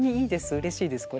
うれしいですこれは。